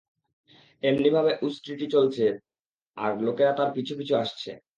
এমনিভাবে উষ্ট্রীটি চলছে আর লোকেরা তার পিছু পিছু আসছে।